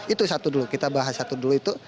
itu satu dulu kita bahas satu dulu itu